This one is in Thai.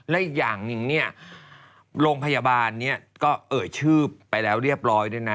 และอีกอย่างหนึ่งเนี่ยโรงพยาบาลนี้ก็เอ่ยชื่อไปแล้วเรียบร้อยด้วยนะ